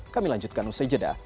kami lanjutkan usai jeda